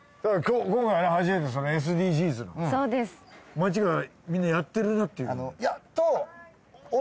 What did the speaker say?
街がみんなやってるなっていう。